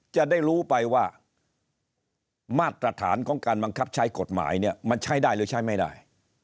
จะได้รู้ไปว่ามาตรฐานของการบังคับใช้กฎหมายเนี่ยมันใช้ได้หรือใช้ไม่ได้